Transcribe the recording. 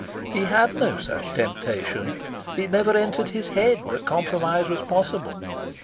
He had no such temptation. It never entered his head that compromise was possible.